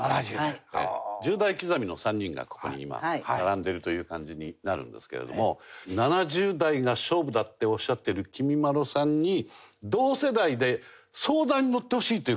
１０代刻みの３人がここに今並んでいるという感じになるんですけれども７０代が勝負だっておっしゃってるきみまろさんに同世代で相談にのってほしいという方がいらっしゃるんです。